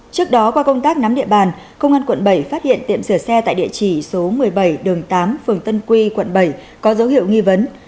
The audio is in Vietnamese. trước đó qua công tác nắm địa bàn công an quận bảy phát hiện tiệm sửa xe tại địa chỉ số một mươi bảy đường tám phường tân quy quận bảy có dấu hiệu nghi vấn